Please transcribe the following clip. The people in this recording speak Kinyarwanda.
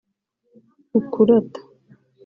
ukurata